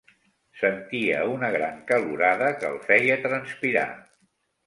Sentia una gran calorada que el feia transpirar.